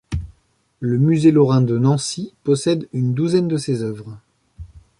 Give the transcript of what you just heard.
Le musée lorrain de Nancy possède une douzaine de ces œuvres.